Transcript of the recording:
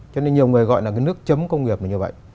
cho nên nhiều người gọi là cái nước chấm công nghiệp là như vậy